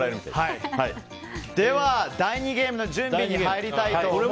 では、第２ゲームの準備に入りたいと思います。